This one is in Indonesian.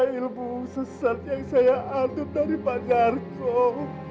karena ilmu sesat yang saya aduk dari pak jarko